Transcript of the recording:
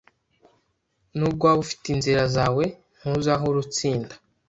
Nubwo waba ufite inzira zawe, ntuzahora utsinda.